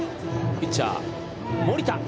ピッチャー森田。